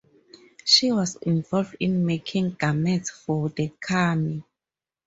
She was involved in making garments for the kami.